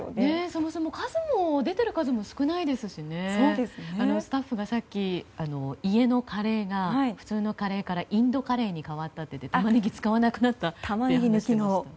そもそも出ている数も少ないですしスタッフがさっき、家のカレーが普通のカレーからインドカレーに変わってタマネギ使わなくなったって話をしていました。